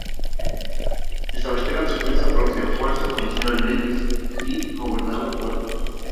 Establecieron su prensa propia, fuerza policial, leyes y gobernando cuerpo.